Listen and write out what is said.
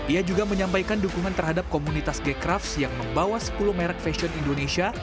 ia juga menyampaikan dukungan terhadap komunitas gecraft yang membawa sepuluh merek fashion indonesia